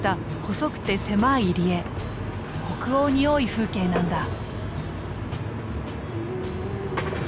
北欧に多い風景なんだ。